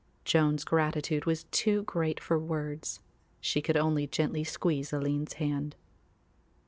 Joan's gratitude was too great for words; she could only gently squeeze Aline's hand.